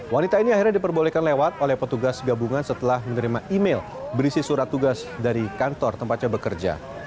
wanita ini akhirnya diperbolehkan lewat oleh petugas gabungan setelah menerima email berisi surat tugas dari kantor tempatnya bekerja